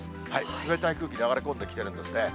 冷たい空気流れ込んできているんですね。